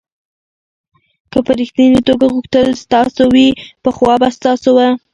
که په ریښتني توګه غوښتل ستاسو وي پخوا به ستاسو و.